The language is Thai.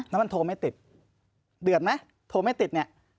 แล้วมันโทรไม่ติดเดือดไหมโทรไม่ติดเนี่ย